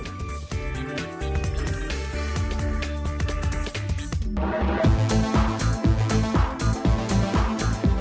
โปรดติดตามตอนต่อไป